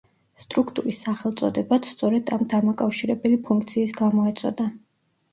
სტრუქტურის სახელწოდებაც, სწორედ ამ დამაკავშირებელი ფუნქციის გამო ეწოდა.